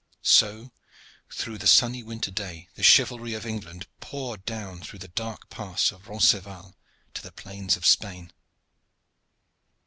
So through the sunny winter day the chivalry of England poured down through the dark pass of Roncesvalles to the plains of Spain.